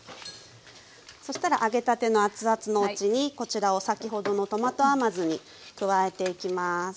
そしたら揚げたての熱々のうちにこちらを先ほどのトマト甘酢に加えていきます。